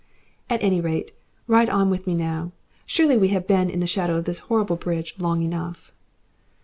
"At any rate, ride on with me now. Surely we have been in the shadow of this horrible bridge long enough."